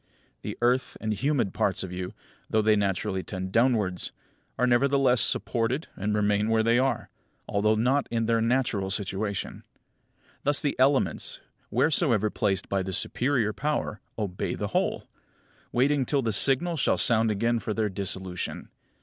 The earthy and humid parts of you, though they naturally tend downwards, are nevertheless supported and remain where they are, although not in their natural situation. Thus the elements, wheresoever placed by the superior power, obey the whole; waiting till the signal shall sound again for their dissolution.